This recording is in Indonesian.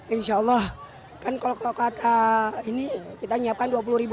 insya allah kan kalau kata ini kita nyiapkan dua puluh ribu